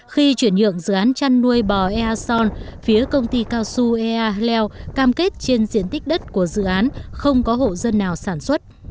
khi chuyển nhượng dự án chăn nuôi bò ea son phía công ty cao su ea hell cam kết trên diện tích đất của dự án không có hộ dân nào sản xuất